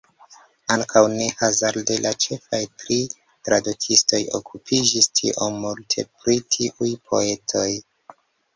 Ankaŭ ne hazarde la ĉefaj tri tradukistoj okupiĝis tiom multe pri tiuj poetoj.